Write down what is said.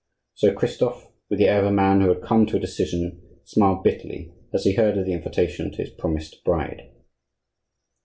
So Christophe, with the air of a man who had come to a decision, smiled bitterly as he heard of the invitation to his promised bride.